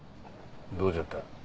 どうじゃった？